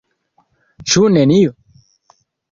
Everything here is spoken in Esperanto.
Ĉu nenio?